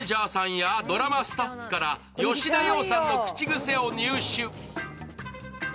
マネージャーさんやドラマスタッフから吉田羊さんの口癖を入手。